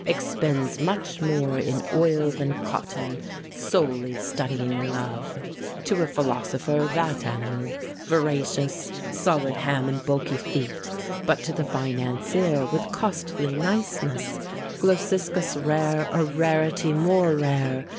expends much more In oil than cotton; solely studying love! To a philosopher, that animal, Voracious, solid ham and bulky feet; But to the financier, with costly niceness, Glociscus rare, or rarity more rare.